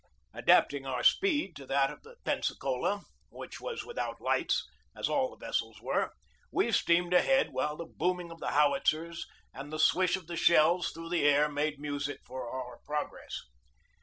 Adapting our speed to that of the Pensacola, which was without lights, as all the vessels were, we steamed ahead, while the booming of the howitzers and the swish of their shells through the air made music for our progress.